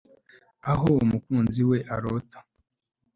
aho mukunzi we arota